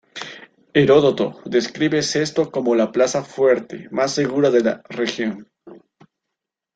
Heródoto describe Sesto como la plaza fuerte más segura de la región.